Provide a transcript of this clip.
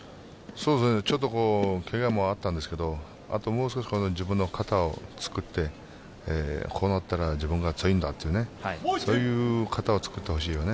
ちょっとケガもあったんですけどもう少し自分の形をつくってこうなったら自分が強いんだという形を作ってほしいよね。